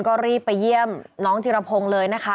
ก็รีบไปเยี่ยมน้องธิรพงศ์เลยนะคะ